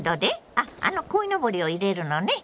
あっあのこいのぼりを入れるのね？